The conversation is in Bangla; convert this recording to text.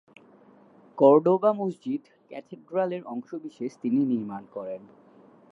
কর্ডোবা মসজিদ-ক্যাথেড্রালের অংশবিশেষ তিনি নির্মাণ করেন।